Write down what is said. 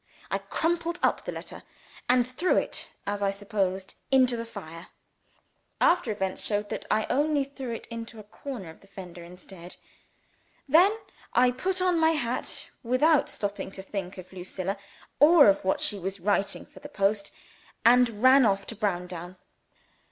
I crumpled up the letter, and threw it, as I supposed, into the fire. (After events showed that I only threw it into a corner of the fender instead.) Then, I put on my hat, without stopping to think of Lucilla, or of what she was writing for the post, and ran off to Browndown.